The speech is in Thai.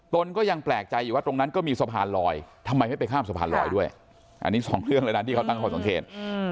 ก็ยังแปลกใจอยู่ว่าตรงนั้นก็มีสะพานลอยทำไมไม่ไปข้ามสะพานลอยด้วยอันนี้สองเครื่องเลยนะที่เขาตั้งข้อสังเกต